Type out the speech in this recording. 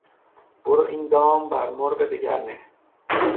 برو این دام بر مرغ دگر نه